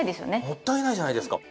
もったいないじゃないですか。